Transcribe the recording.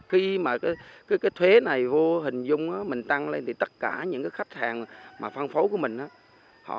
khi mà cái thuế này hình dung mình tăng lên thì tất cả những khách hàng phân phố của mình